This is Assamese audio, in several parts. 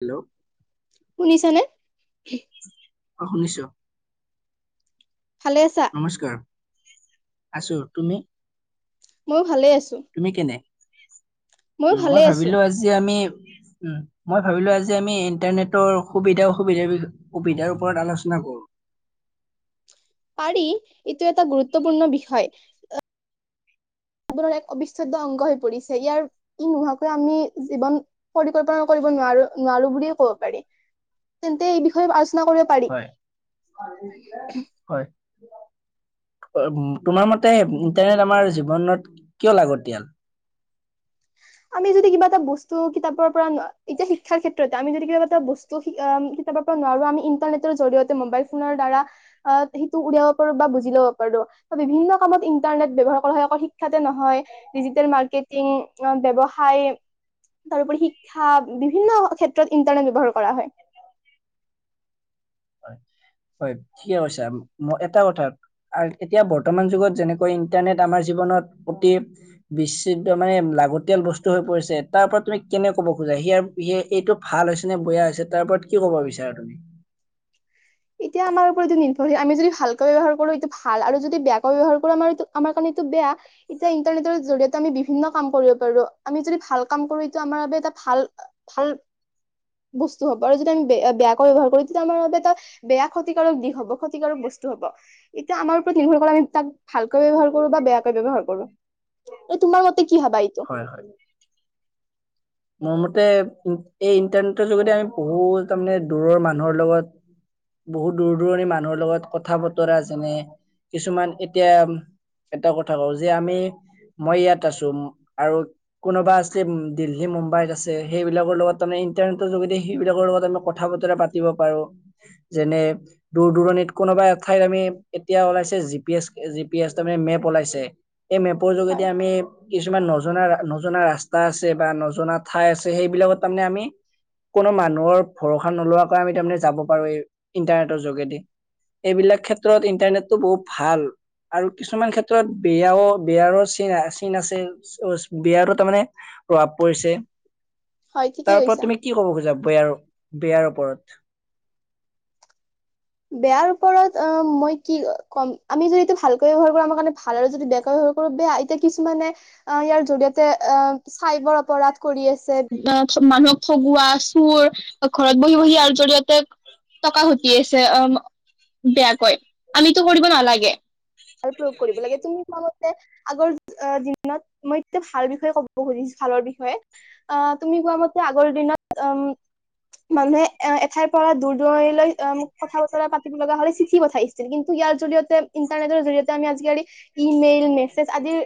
হেল্ল' শুনিছানে অ শুনিছ ভালে আছা নমস্কাৰ আছো তুমি ময়ো ভালে আছ তুমি কেনে? ময়ো উ ভালে মই আছো ভাবিলোঁ, আজি আমি উ, মই ভাবিলোঁ আজি আমি ইন্টাৰনেটৰ সুবিধা অসুবিধা, বিষ, সুবিধাৰ ওপৰত আলোচনা কৰোঁ। পাৰি। এইটো এটা গুৰুত্বপূৰ্ণ বিষয়। জীৱনৰ এক অবিচ্ছেদয় অংগ হৈ পৰিছে। ইয়াৰ ই নোহোৱাকৈ আমি জীৱন পৰিকল্পনা কৰিব নোৱাৰোঁ, নোৱাৰোঁ বুলিয়ে কব পাৰি, কিন্তু এই বিষয়ে কৰিব পাৰি। হয় হয় তোমাৰ মতে ইণ্টাৰনেট আমাৰ জীৱনত কিয় লাগতিয়াল? আমি যদি কিবা এটা বস্তু কিতাপৰ পৰা, এতিয়া শিক্ষাৰ ক্ষেত্ৰতে, আমি যদি কিবা এটা বস্তু কিতাপৰ পৰা নোৱাৰোঁ, আমি ইন্টাৰনেটৰ জৰিয়তে মবাইল ফোনৰ দ্বাৰা সেইটো উলিয়াব পাৰোঁ বা বুজি লব পাৰোঁ, বা বিভিন্ন কামত ইন্টাৰনেট ব্যয়ৱহাৰ কৰা হয় অকল শিক্ষাতে নহয়। ডিজিটেল মাৰকেটিং ব্যৱসায়। তাৰপৰি শিক্ষা, বিভিন্ন ক্ষেত্ৰত ইন্টাৰনেট ব্যৱহাৰ কৰা হয়। হয়, হয়, ঠিকে কৈছা। এটা কথা, এতিয়া বৰ্তমান যুগত যেনেকৈ ইণ্টাৰনেট আমাৰ জীৱনত অতি বিচ্ছেদ মানে লাগতিয়াল বস্তু হৈ পৰিছে, তাৰওপৰত তুমি কেনে কব খোজা। স, স, এইটো ভাল হৈছে নে বেয়া হৈছে, তাৰ ওপৰত কি কব বিচাৰা তুমি? এতিয়া আমাৰ ওপৰতটো নিৰ্ভৰশীল। আমি যদি ভালকৈ ব্যৱহাৰ কৰো এইটো ভাল, আৰু যদি বেয়াকৈ ব্যৱহাৰ কৰোঁ আমাৰটো, আমাৰ কাৰণে এইটো বেয়া। এতিয়া ইন্টাৰনেটৰ জৰিয়তে আমি বিভিন্ন কাম কৰিব পাৰোঁ, আমি যদি ভাল কাম কৰোঁ, এইটো আমাৰ বাবে এটা ভাল, ভাল বস্তু হ'ব আৰু যদি আমিয়া বেয়াকৈ ব্যয়ৱহাৰ কৰোঁ, তেতিয়া আমাৰ বাবে এটা বেয়া ক্ষতিকাৰক দিশ হ'ব, ক্ষতিকাৰক বস্তু হ'ব। এতিয়া আমাৰ ওপৰত নিৰ্ভৰ কৰে, তাক ভালকৈ ব্যৱহাৰ কৰোঁ বা বেয়াকৈ ব্যৱহাৰ কৰোঁ। এই তোমালো কি ভাবা এতিয়া? হয় হয় মোৰ মতে, এই ইন্টাৰনেটৰ যোগেদি আমি বহুত তাৰমানে দূৰৰ মানুহৰ লগত, বহুত দূৰ দূৰণি মানুহৰ লগত, কথা বতৰা যেনে কিছুমান এতিয়া এটা কথা কওঁ যে আমি, মই ইয়াত আছোঁ আৰু কোনোবা আছে দিল্লী মুম্বাইত আছে, সেইবিলাকৰ লগত, তাৰে ইন্টাৰনেটৰ যোগেদি সেইবিলাকৰ লগত আমি কথা বতৰা পাতিব পাৰোঁ। যেনে দূৰ দূৰণিত কোনোবা এঠাইত আমি এতিয়া ওলাইছে G P S, G P S তাৰ মানে মেপ ওলাইছে। এই মেপৰ যোগেদি হয় আমি, কিছু কিছুমান নজনা, নজনা ৰাস্তা আছে বা জনা ঠাই আছে, সেইবিলাকত তাৰমানে আমি কোনো মানুহৰ ভৰষা নোলোৱা কৈ আমি তাৰমানে যাব পাৰোঁ, এই ইণ্টাৰনেটৰ যোগেদি। এইবিলাক ক্ষেত্ৰত ইণ্টাৰনেটতো বহুত ভাল, আৰু কিছুমান ক্ষেত্ৰত বেয়া, বিয়াৰো চ, চিন আছে, বিয়াৰো তাৰমানে প্ৰভাৱ পৰিছে। হয় ঠিকেই তাৰ পৰা কৈছা। তুমি কি ক'ব খোজা? বেয়াৰ, বেয়াৰ ওপৰত। বেয়াৰ ওপৰত, অ মই কি কম। আমি যদি এইটো ভাল টকা ঘটি আছে। অ বেয়া কয়। আমিতো কৰিব নালাগে। আৰু প্ৰয়োগ কৰিব লাগে, তুমি আগৰ দিনত মই এয়া ভাল বিষয়ে ক'ব খুজিছোঁ ভালৰ বিষয়ে, অ'হ তুমি কোৱা মতে, আগৰ দিনত মানুহে, এ এঠাইৰ পৰা দূৰ দূৰণিৰ লৈ অ' কথা বতৰা পাতিব লগা হ'লে চি চিঠি পঠাইছিল, কিন্তু ইয়াৰ জৰিয়তে, ইন্টাৰনেটৰ জৰিয়তে আমি আজিকালি ইমেইল, মেছেজ আদিৰ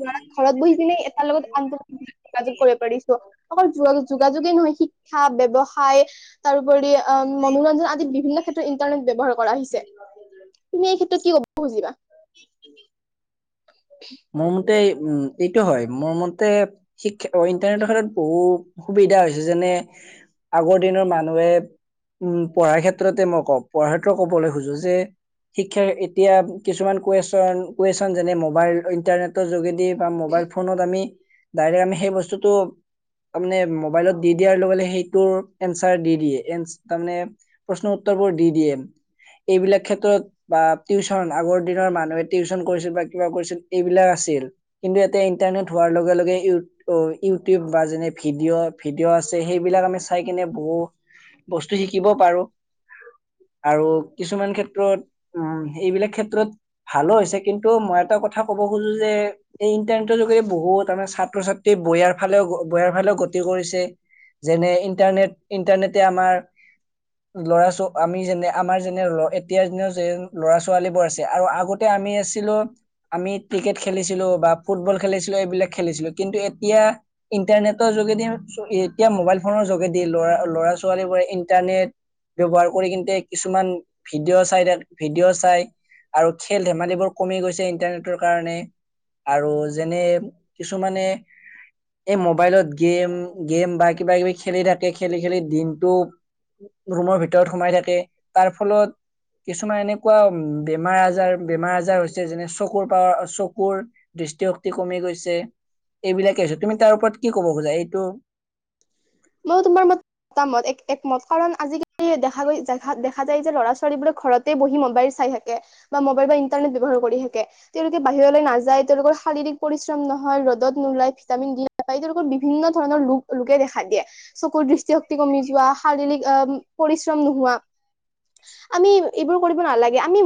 দ্বাৰা ঘৰত বহি পিনে এটাৰ লগত আনোটোৰ যোগাযোগ কৰিব পাৰিছোঁ। অকল যোগাযোগ, যোগাযোগেই নহয় শি শিক্ষা, ব্যৱসায় তাৰোপৰি উম! মনোৰঞ্জন আদি বিভিন্ন টো ইন্টাৰনেট ব্যৱহাৰ কৰা আহিছে, তুমি এই ক্ষেত্ৰত কি ক খুজিবা? [unintelligible] মই [unintelligible] এ এইটো হয় মোৰ মতে শিক ইণ্টাৰনেটৰ খেত্ৰত বহুত সুবিধা হৈছে। যেনে, আগৰ দিনৰ মানুহে উম পঢ়াৰ ক্ষেত্ৰতে মই কওঁ পঢ়াৰ ক্ষেত্ৰত ক'বলৈ খোজো যে শিক্ষা এতিয়া কিছুমান কুৱেশচন কুৱেশচন যেনে মোবাইল ইণ্টাৰনেটৰ যোগেদি বা মোবাইল ফোনত আমি ডাইৰেক্ট আমি সেই বস্তুতটো তাৰ মানে মোবাইলত দি দিয়াৰ লগে লগে সেইটোৰ এনচাৰ দি দিয়ে। এ তাৰমানে প্ৰশ্ন উত্তৰ বোৰ দি দিয়ে। এইবিলাক ক্ষেত্ৰত বা টিউচন আগৰ দিনৰ মানুহে টিউচন কৰিছিল বা কিবা কৰিছিল এইবিলাক আছিল কিন্তু এতিয়া ইন্টাৰনেট হোৱাৰ লগে লগে ই ইউটিউব বা যেনে ভিডিঅ' ভিডিঅ' আছে সেইবিলাক আমি চাই কিনে বহু বস্তু শিকিব পাৰো আৰু কিছুমান ক্ষেত্ৰত উ এইবিলাক ক্ষেত্ৰত ভালো হৈছে কিন্তু মই এটা কথা কথা কব খুজো যে এই ইণ্টাৰনেটৰ যোগেদি বহুত আমাৰ ছাত্ৰ ছাত্ৰী বয়াৰ ফালেও বয়াৰ ফালেও গতি কৰিছে। যেনে, ইণ্টাৰনেট ইণ্টাৰনেটে আমাৰ লৰা ছ আমি যেনে আমাৰ যেনে এতিয়া যে যে লৰা ছোৱালী বোৰ আছে আৰু আগতে আমি আছিলো আমি ক্ৰিকেট খেলিছিলো, বা ফুটবল খেলিছিলো, এইবিলাক খেলিছিলো। কিন্তু এতিয়া ইন্টাৰনেটৰ যোগেদি এতিয়া মোবাইল ফোনৰ যোগেদি লৰা ল'ৰা ছোৱালী বোৰে ইণ্টাৰনেট ব্যৱহাৰ কৰি কিন্ত কিছুমান ভিডিঅ' চাই তাত ভিডিঅ' চাই আৰু খেল ধেমালিবোৰ কমি গৈছে ইণ্টাৰনেটৰ কাৰণে। আৰু যেনে কিছুমানে এই মোবাইলত গেম গেম বা কিবা কিবি খেলি থাকে খেলি খেলি দিনটো ৰুমৰ ভিতৰত সোমাই থাকে তাৰ ফলত কিছুমান এনেকুৱা বেমাৰ আজাৰ বেমাৰ আজাৰ হৈছে যেনে চকুৰ পাৱা, চকুৰ দৃষ্টিশক্তি কমি গৈছে এইবিলাকে আছো, তুমি তাৰ ওপৰত কি ক'ব খোজা এইটো? ম তোমাৰ ম মত এক একমত কাৰণ আজিকালি দেখা দেখা যায় যে ল'ৰা ছোৱালীবোৰে ঘৰতে বহি মোবাইল চাই থাকে। বা মোবাইল বা ইন্টাৰনেট ব্যৱহাৰ কৰি থাকে। তেওঁলোকে বাহিৰলৈ নাযায়, তেওঁলোকৰ শাৰীৰিক পৰিশ্ৰম নহয়, ৰ'দত নোলাই ভিটামিন দি নাপায় তেওঁলোকৰ বিভিন্ন ধৰণৰ ৰ ৰোগে দেখা দিয়ে চকুৰ দৃষ্টিশক্তি কমি যোৱা, শাৰীৰিক পৰিশ্ৰম নোহোৱা, আমি এইবোৰ কৰিব নালাগে। আমি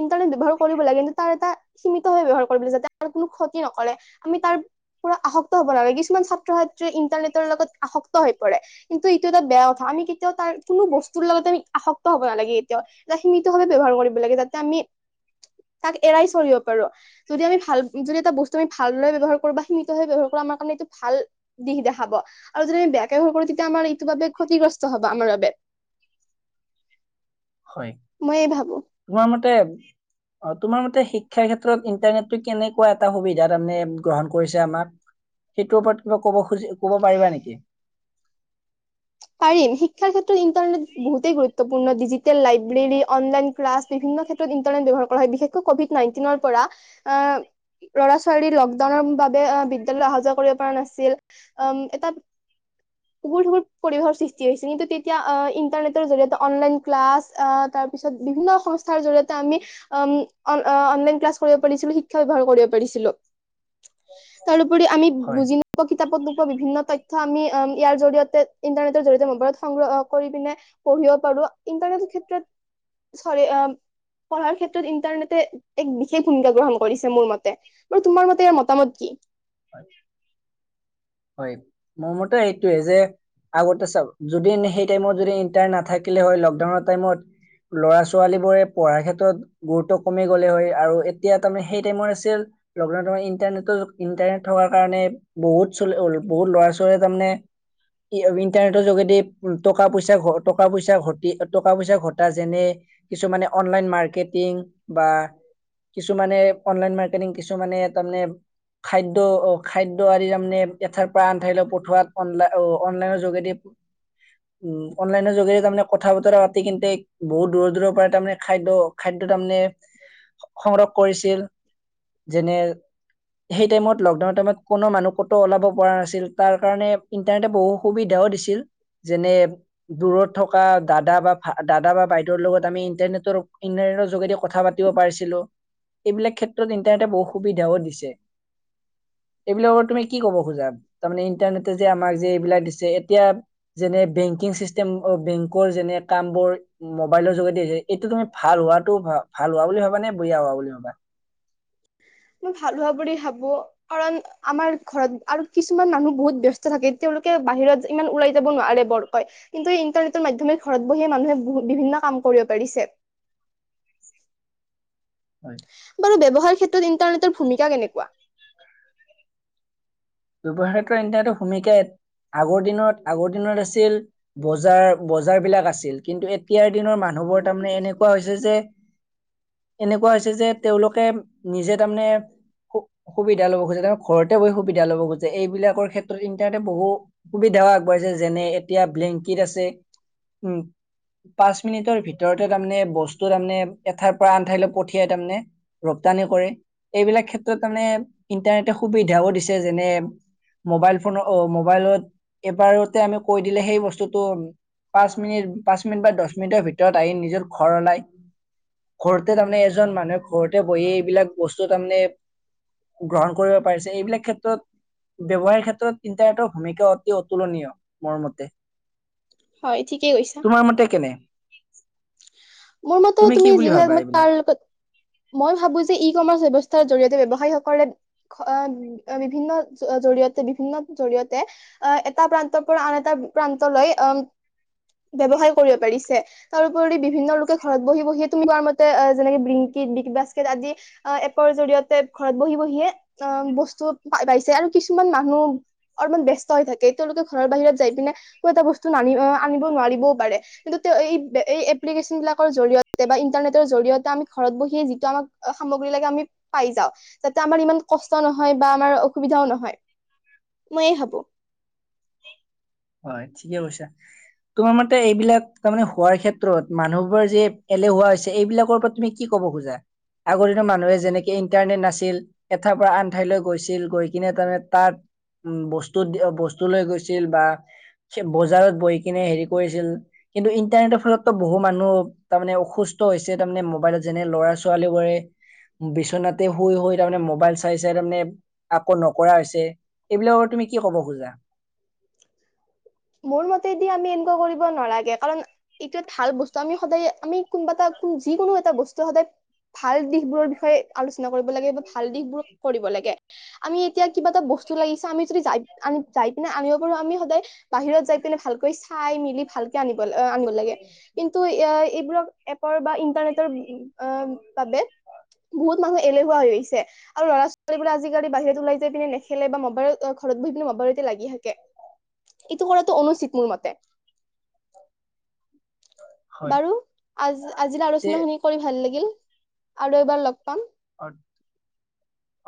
ইন্টাৰনেট ব্যৱহাৰ কৰিব লাগে কিন্তু তাৰ এটা সীমিতভাৱে ব্যৱহাৰ কৰিব লাগ, যাতে ত কোনো ক্ষতি নকৰে আমি তাৰ পৰা আসক্ত হব নালাগে, কিছুমান ছাত্ৰ ছাত্ৰী ইন্টাৰনেটৰ লগত আসত্ত হৈ পৰে। কিন্তু এইটো এটা বেয়া কথা, আমি কেতিয়াও তাৰ কোনো বস্তুৰ লগত আমি আসক্ত হব নালাগে এতিয়াও। এ সীমিতভাৱে ব্যৱহাৰ কৰিব লাগে যাতে আমি তাক এৰাই চৰিব পাৰো। যদি আমি ভাল যদি এটা বস্তু আমি ভালদৰে ব্যৱহাৰ কৰো বা সীমিতভাৱে ব্যৱহাৰ কৰো আমাৰ কাৰণে এইটো ভাল দিশ দেখাব আৰু যদি আমি বেয়া একে হৈ তেতিয়া আমাৰ এইটো বাবে ক্ষতিগ্ৰস্ত হব আমাৰ বাবে হয় মই এই ভাবো তোমাৰ মতে অ তোমাৰ মতে শিক্ষাৰ ক্ষেত্ৰত ইণ্টাৰনেটটো কেনেকুৱা এটা সুবিধা তাৰমানে গ্ৰহণ কৰিছে আমাক? সেইটোৰ ওপৰত কিবা কব খুজি কব পাৰিবা নেকি? পাৰিম শিক্ষাৰ ক্ষেত্ৰত ইণ্টাৰনেট বহুতেই গুৰুত্বপূৰ্ণ ডিজিটেল লাইব্ৰেৰী, অনলাইন ক্লাছ, বিভিন্ন ক্ষেত্ৰত ইন্টাৰনেট ব্যৱহাৰ কৰা হয় বিশেষকৈ কভিড নাইনটিনৰ পৰা ল'ৰা ছোৱালী লকডাউনৰ বাবে বিদ্যালয়লৈ অহা যোৱা কৰিব পৰা নাছিল উম এটা উগুল থুগুল পৰিৱেশৰ সৃষ্টি হৈছে। কিন্তু তেতিয়া আহ ইন্টাৰনেটৰ জৰিয়তে অনলাইন ক্লাছ আহ তাৰ পিছত বিভিন্ন সংস্থাৰ জৰি়য়তে আমি উম অ অনলাইন ক্লাছ কৰিব পাৰিছিলো, শিক্ষা বিভাগো কৰিব পাৰিছিলো। তাৰ উপৰি আমি হয় বুজি নোপোৱা কিতাপ- বিভিন্ন তথ্য আমি উম ইয়াৰ জৰিয়তে ইন্টাৰনেটৰ জৰিতে মবাইলত সংগ্ৰহ কৰি পিনে পঢ়িব পাৰো ইন্টাৰনেটৰ ক্ষেত্ৰত চ পঢ়াৰ ক্ষেত্ৰত ইন্টাৰনেটে এক বিশেষ ভূমিকা গ্ৰহণ কৰিছে মোৰ মতে ব তোমাৰ মতে ইয়াৰ মতামত কি হয় হয় মোৰ মতে এইটোৱে যে আগতে চ যদি সেই টাইমত যদি ইন্টাৰ নাথাকিলে হয় লকডাউনৰ টাইমত ল'ৰা ছোৱালী বোৰে পঢ়াৰ ক্ষেত্ৰত গুৰুত্ব কমি গলে হয় আৰু এতিয়া তাৰে সেই টাইমত আছিল লকডাউন ইটাৰনেট ইণ্টাৰনেট থকাৰ কাৰণে বহুত বহুত লৰা ছোৱালীয়ে তাৰমানে ইণ্টাৰনেটৰ যোগেদি টকা পইচা টকা পইচা ঘ টকা পইচা ঘটা যেনে কিছুমানে অনলাইন মাৰ্কেটিং বা কিছুমানে অনলাইন মাৰ্কেটিং কিছুমানে তাৰমানে খাদ্য আহ খাদ্য আদি তাৰমানে এঠাৰ পৰা আনঠাইলৈ পঠোৱাত অনলাই আহ অনলাইনৰ যোগেদি উ অনলাইনৰ যোগেদি তাৰমানে কথা বতৰা পাতি কিন্তে বহুত দূৰৰ দূৰৰ পৰাই তাৰমানে খাদ্য খাদ্যয় তাৰমানে সংগ্ৰহ কৰিছিল যেনে সেই টাইমত লকডাউন টাইমত কোনো মানুহ কতো ওলাব পৰা নাছিল তাৰ কাৰণে ইণ্টাৰনেটে বহু সুবিধাও দিছিল যেনে দূৰত থকা দাদা বা দাদা বা বাইদেউৰ লগত আমি ইণ্টাৰনেটৰ ইণ্টাৰনেটৰ যোগেদি কথা পাতিব পাৰিছিলো এইবিলাক ক্ষেত্ৰত ইণ্টাৰনেটে বহুত সুবিধাও দিছে এইবিলাকৰ তুমি কি কব খোজা তাৰমানে ইণ্টাৰনেটে যে আমাক যে এইবিলাক দিছে এতিয়া যেনে বেংকিং চিষ্টেম বেংকৰ যেনে কাম বোৰ মোবাইলৰ যোগেদি দিছে এইটো তুমি ভাল হোৱাটো ভাল হোৱা বুলি ভাবা নে বয়া হোৱা বুলি ভাবা মই ভাল হোৱা বুলি ভাবো কাৰণ আমাৰ ঘৰত আৰু কিছুমান মানুহ বহুত ব্যস্ত থাকে তেওঁলোকে বাহিৰত ইমান ওলাই যাব নোৱাৰে বৰকয় কিন্তু ইন্টাৰনেটৰ মাধ্যমে ঘৰত বহিয়ে মানুহে বিভিন্ন কাম কৰিব পাৰিছে হয় বাৰু ব্যৱহাৰৰ ক্ষেত্ৰত ইণ্টাৰনেটৰ ভূমিকা কেনেকুৱা ব্যৱসাৰ ক্ষেত্ৰৰ এ এটা ভূমিকাত আগৰ দিনত আগৰ দিনত আছিল বজাৰ বজাৰ বিলাক আছিল কিন্তু এতিয়াৰ দিনৰ মানুহবোৰ তাৰমানে এনেকুৱা হৈছে যে এনেকুৱা হৈছে যে তেওঁলোকে নিজে তাৰমানে সুবিধা ল'ব খুজছে তেওঁ ঘৰতে বহি সুবিধা লব গ এইবিলাকৰ ক্ষেত্ৰত ইণ্টাৰনেটে বহু সুবিধাও আগবাঢ়িছে যেনে এতিয়া ব্লেংকিট আছে উ পাঁচ মিনিটৰ ভিতৰতে তাৰমানে বস্তু তাৰমানে এঠাইৰ পৰা আন ঠাইলৈ পঠিয়াই তাৰমানে ৰপ্তানি কৰে এইবিলাক ক্ষেত্ৰত তাৰে ইণ্টাৰনেটে সুবিধাও দিছে যেনে মোবাইল ফোন অ মোবাইলত, এবাৰতে আমি কৈ দিলে সেই বস্তুতটো পাঁচ মিনিট পাঁচ মিনিট বা দছ মিনিটৰ ভিতৰত আহি নিজৰ ঘৰ ওলাই। ঘৰতে তাৰমানে এজন মানুহে ঘৰতে বহি এইবিলাক বস্তু তাৰমানে গ্ৰহণ কৰিব পাৰিছে এইবিলাক ক্ষেত ব্যৱহাৰৰ ক্ষেত্ৰত ইণ্টাৰনেটৰ ভূমিকা অতি অতুলনীয় মোৰ মতে। হয় ঠিকেই কৈছা। তোমাৰ মতে কেনে মোৰ মতে তুমি কি যি বুলি হয় ভাবা মই তাৰ এইবিলাক লগত মই ভাবো যে ই কমাৰ্চ ৱেস্থা জৰিয়তে ব্যৱসায়ীসকলে, বিভিন্ন জৰিয়তে বিভিন্ন জৰিয়তে, আহ এটা প্ৰান্তৰ পৰা আন এটা প্ৰান্তলৈ আহ ব্যৱসায় কৰিব পাৰিছে। তাৰোপৰি বিভিন্ন ঘৰত বহি বহিয়ে তুমি কোৱাৰ মতে যেনেকে ব্লিনকিত, বিগ বাস্কেট আদি এপৰ জৰিয়তে ঘৰত বহি বহিয়ে অ বস্তু পাইছে। আৰু কিছুমান মানুহ অলমান ব্যস্ত হৈ থাকে তেওঁলোকে ঘৰৰ বাহিৰত যাই পিনে ক এটা বস্তু নানি আনিব নোৱাৰিবও পাৰে। কিন্তু এই এপ্লিকেশ্যন বিলাক জৰিয়তে বা ইন্টাৰনেটৰ জৰিয়তে আমি ঘৰত বহিয়ে যিটো আমাক সামগ্ৰী লাগে আমি পাই যাওঁ। যাতে আমাৰ ইমান কষ্ট নহয় বা আমাৰ অসুবিধাও নহয়। মইয়ে হব। হয় ঠিকে কৈছা। তোমাৰ মতে এইবিলাক তাৰমানে হোৱাৰ ক্ষেত্ৰত মানুহবোৰ যে এলেহুৱা হৈছে এইবিলাকৰ ওৰত তুমি কি ক'ব খোজা? আগৰ দিনৰ মানুহে যেনেকে ইণ্টাৰনেট নাছিল এঠাই পৰা আন ঠাইলৈ গৈছিল, গৈ কিনে তাৰমানে তাত বস্তু বস্তু লৈ গৈছিল, বা বজাৰত বহি কিনে হেৰি কৰিছিল কিন্তু ইণ্টাৰনেটৰ ফলতো বহু মানুহ তাৰমানে অসুস্থ হৈছে তাৰমানে মোবাইলত যেনে ল'ৰা ছোৱালী বোৰে বিচনাতে শুই শুই তাৰমানে মোবাইল চাই চাই তাৰমানে আকৌ নকৰা হৈছে। এইবিলাকৰ তুমি কি ক'ব খোজা? মোৰ মতেদি আমি এনেকুৱা কৰিব নালাগে, কাৰণ এইটো ভাল বস্তু আমি সদায় আমি কোনোবা এটা যি কোনো এটা বস্তু সদায় ভাল দিশ বোৰৰ বিষয়ে আলোচনা কৰিব লাগে। ভাল দিশবোৰ কৰিব লাগে। আমি এতিয়া কিবা এটা বস্ত লাগিছে আমি আ যাই পিনে আনিব পাৰো আমি সদায় বাহিৰত যাই পিনে ভাল কৰিছ- খাই মিলি ভালকে আনিব লাগে। আনিব লাগে কিন্তু এ এইবোৰক এপৰ বা ইন্টাৰনেটৰ বাবে, বহুত মানুহ এলেহুৱা হৈ আহিছে আৰু ল'ৰা ছোৱালীবো আজিকালি বাহিৰত ওলাই যাই পিনে নেখেলে বা মোবাইলত ঘৰত বিহ বিনি মবালতে লাগি থাকে, এইটো কৰাটো অনুচিত মোৰ মতে। হয় বাৰু আজ আজিৰ তে আলোচনা শুনি কৰি ভাল লাগিল। আৰু এবাৰ লগ পাম। অ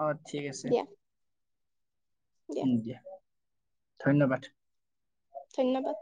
অ ঠিক আছে। দিয়া দিয়া [unintelligible] ধন্যবাদ। ধন্যবাদ।